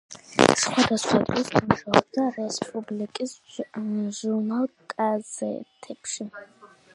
სხვადასხვა დროს მუშაობდა რესპუბლიკის ჟურნალ-გაზეთებში.